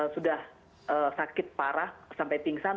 sudah sakit parah sampai pingsan